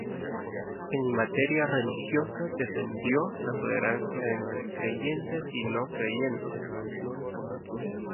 En materia religiosa defendió la tolerancia entre creyentes y no creyentes.